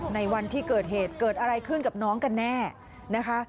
ในวันที่เกิดเหตุเกิดอะไรขึ้นกับน้องกันแน่นะคะ